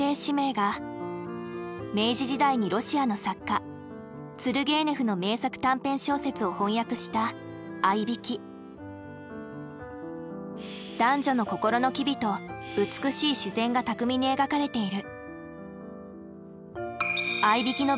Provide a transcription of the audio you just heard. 明治時代にロシアの作家ツルゲーネフの名作短編小説を翻訳した「あいびき」。が巧みに描かれている。